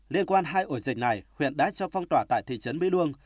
liên quan hai ổ dịch này huyện đã cho phong tỏa tại thị trấn mỹ luông